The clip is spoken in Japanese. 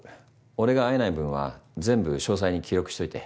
俺が会えない分は全部詳細に記録しといて。